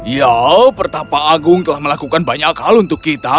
ya pertapa agung telah melakukan banyak hal untuk kita